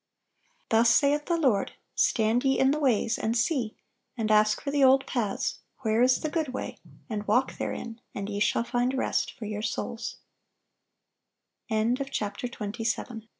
"Thus saith the Lord, Stand ye in the ways, and see, and ask for the old paths, where is the good way, and walk therein, and ye shall find rest for yo